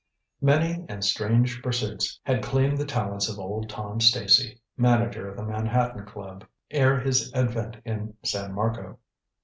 Many and strange pursuits had claimed the talents of old Tom Stacy, manager of the Manhattan Club, ere his advent in San Marco.